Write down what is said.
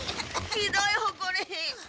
ひどいほこり！